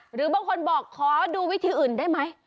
หรือบางคนบอกขอดูวิธีอื่นได้ไหม